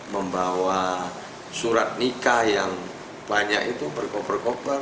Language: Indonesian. membawa surat nikah yang banyak itu berkoper koper